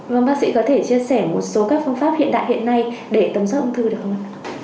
vâng bác sĩ có thể chia sẻ một số các phương pháp hiện đại hiện nay để tầm soát ung thư được không ạ